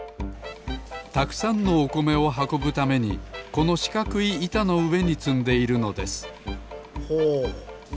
たくさんのおこめをはこぶためにこのしかくいいたのうえにつんでいるのですほう。